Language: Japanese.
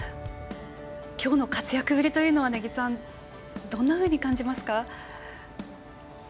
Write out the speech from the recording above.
きょうの活躍ぶりというのは根木さんどんなふうに感じますか？